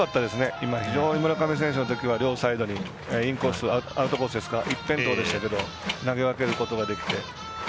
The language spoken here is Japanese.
今、非常に村上選手のときは両サイドに一辺倒でしたけど投げ分けることができて。